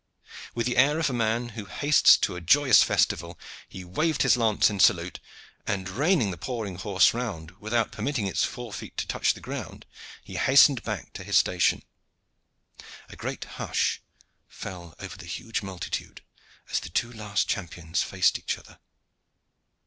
With the air of a man who hastes to a joyous festival, he waved his lance in salute, and reining the pawing horse round without permitting its fore feet to touch the ground, he hastened back to his station. A great hush fell over the huge multitude as the two last champions faced each other.